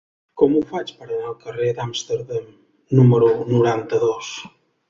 Com ho faig per anar al carrer d'Amsterdam número noranta-dos?